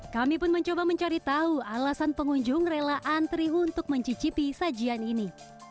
kami pun mencoba mencari tahu alasan pengunjung rela antri untuk mencicipi sajian ini